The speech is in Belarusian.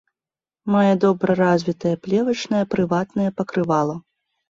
Мае добра развітае плевачнае прыватнае пакрывала.